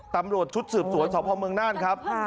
ตำรวจชุดสืบสวนสพนนครับ